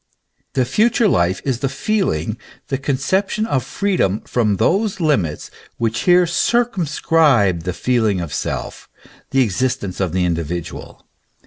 The future life is the feeling, the conception of freedom from those limits which here circum scribe the feeling of self, the existence of the individual.